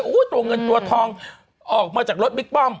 โอ้โหตัวเงินตัวทองออกมาจากรถบิ๊กป้อม